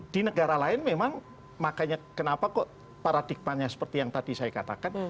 di negara lain memang makanya kenapa kok paradigmanya seperti yang tadi saya katakan